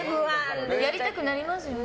やりたくなりますよね。